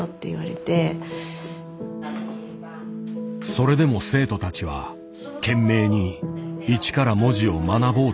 それでも生徒たちは懸命にいちから文字を学ぼうとする。